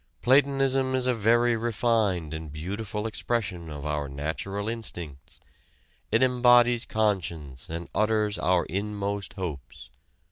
Platonism is a very refined and beautiful expression of our natural instincts, it embodies conscience and utters our inmost hopes."